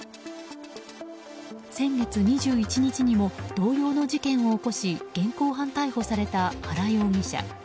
先月２１日にも同様の事件を起こし現行犯逮捕された、原容疑者。